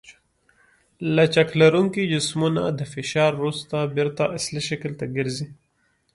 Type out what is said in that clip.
لچک لرونکي جسمونه د فشار وروسته بېرته اصلي شکل ته ګرځي.